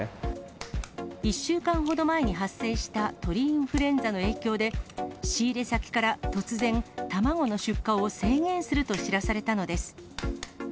１週間ほど前に発生した鳥インフルエンザの影響で、仕入れ先から突然、卵の出荷を制限すると知らされたのです。